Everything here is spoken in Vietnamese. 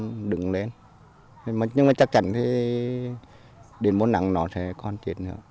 thì đến mỗi nặng nó sẽ còn thiệt hại nhiều nhưng mà chắc chắn thì đến mỗi nặng nó sẽ còn thiệt hại nhiều